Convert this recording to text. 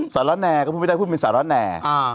สารแน่ก็พูดไม่ได้พูดเป็นสารแน